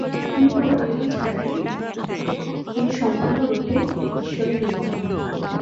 তিনি কোন প্রয়োজন ছাড়াই কারণ তিনি সম্পূর্ণরূপে ঈশ্বরে নিমগ্ন।